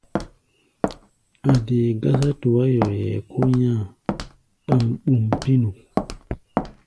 A̧ dee gásá tuá-yoyɛ kó nyá̧-a̧ ɓam-ɓum pínu.